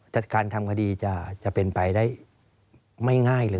จัดการทำคดีจะเป็นไปได้ไม่ง่ายเลย